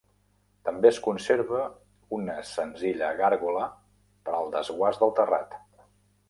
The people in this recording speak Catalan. També es conserva una senzilla gàrgola per al desguàs del terrat.